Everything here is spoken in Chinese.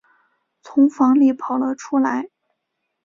从房里跑了出来